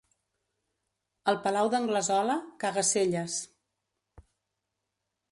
Al Palau d'Anglesola, caga-selles.